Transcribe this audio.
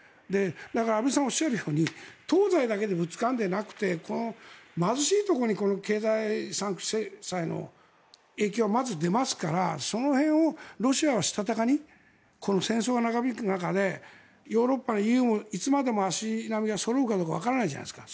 だから安倍さんがおっしゃるように東西だけでぶつかるんじゃなくて貧しいところに経済制裁の影響がまず出ますからその辺をロシアはしたたかに戦争が長引く中でヨーロッパもＥＵもいつまで足並みがそろうかわからないじゃないですか。